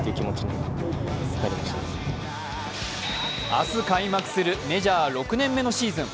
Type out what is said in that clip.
明日開幕するメジャー６年目のシーズン。